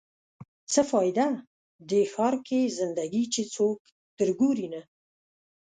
څه فایده؟ دې ښار کې زنده ګي چې څوک در ګوري نه